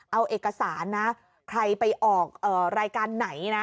เอาเอกสารนะใครไปออกรายการไหนนะ